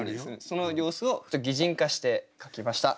その様子を擬人化して書きました。